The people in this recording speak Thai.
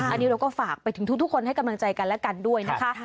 อันนี้เราก็ฝากไปถึงทุกคนให้กำลังใจกันและกันด้วยนะคะ